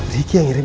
riki yang jedah ini